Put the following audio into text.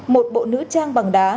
một bộ nữ trang bằng đá